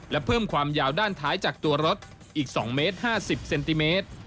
และเพิ่มความยาวด้านท้ายจากตัวรถอีก๒เมตร๕๐เซนติเมตร